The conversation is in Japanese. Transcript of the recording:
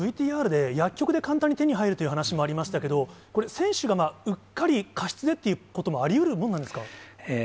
これ、ＶＴＲで、薬局で簡単に手に入るという話もありましたけれども、これ、選手がうっかり過失でっていうこともありうるものなんですか？